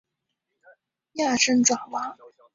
亚参爪哇。